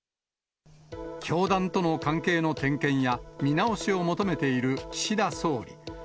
教団との関係の点検や、見直しを求めている岸田総理。